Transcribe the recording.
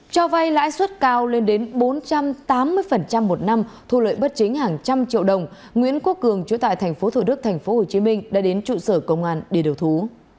cho vay lãi suất cao lên đến bốn trăm tám mươi một năm thu lợi bất chính hàng trăm triệu đồng nguyễn quốc cường chủ tại tp thủ đức tp hcm đã đến trụ sở công an để đầu thú